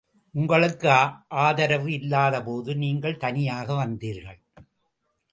உங்களுக்கு ஆதரவு இல்லாத போது நீங்கள் தனியாக வந்தீர்கள்.